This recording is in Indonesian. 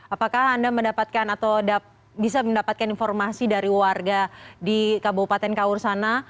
apakah anda mendapatkan atau bisa mendapatkan informasi dari warga di kabupaten kaur sana